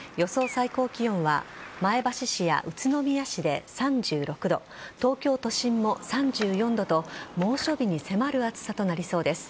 最高気温は前橋市や宇都宮市で３６度東京都心も３４度と猛暑日に迫る暑さとなりそうです。